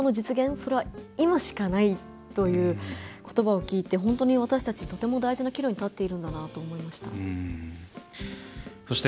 それは、今しかないということばを聞いて本当に私たち大事な岐路に立っているんだなと思いました。